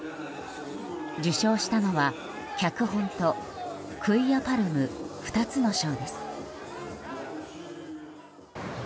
受賞したのは脚本とクィア・パルム、２つの賞です。